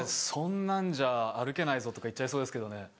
「そんなんじゃ歩けないぞ」とか言っちゃいそうですけどね。